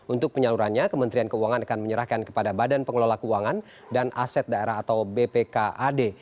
untuk penyalurannya kementerian keuangan akan menyerahkan kepada badan pengelola keuangan dan aset daerah atau bpkad